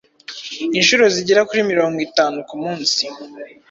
inshuro zigera kuri mirongo itanu ku munsi